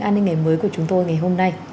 an ninh ngày mới của chúng tôi ngày hôm nay